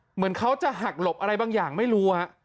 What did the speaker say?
เหมือนเขาจะหักหลบอะไรบางอย่างไม่รู้